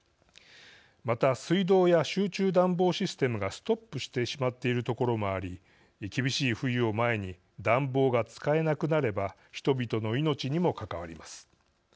また、水道や集中暖房システムがストップしてしまっている所もあり厳しい冬を前に暖房が使えなくなれば人々の命にも関わります。